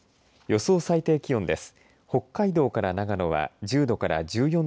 予想最低気温です。